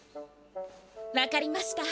わかりました。